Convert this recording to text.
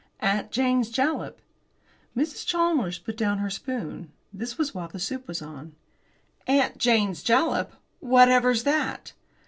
"'Aunt Jane's Jalap.'" Mrs. Chalmers put down her spoon. This was while the soup was on. "'Aunt Jane's Jalap!' Whatever's that?"